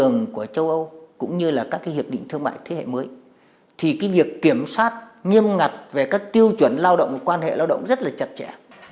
nhưng ngặt về các tiêu chuẩn lao động và quan hệ lao động rất là chặt chẽ